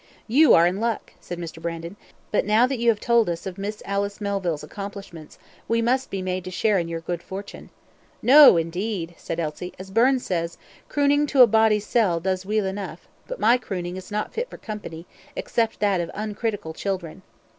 "You are in luck," said Mr. Brandon; "but now that you have told us of Miss Alice Melville's accomplishments, we must be made to share in your good fortune." "No, indeed," said Elsie; "as Burns says, 'crooning to a body's sel' does weel eneugh;' but my crooning is not fit for company, except that of uncritical children."